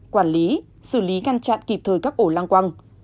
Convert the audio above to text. quản lý xử lý ngăn chặn kịp thời các ổ lăng quăng